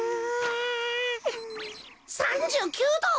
３９ど！？